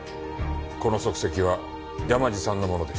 この足跡は山路さんのものでした。